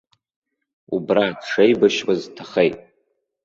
Убра дшеибашьуаз дҭахеит.